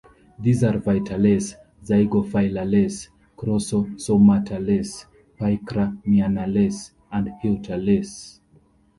These are Vitales, Zygophyllales, Crossosomatales, Picramniales, and Huerteales.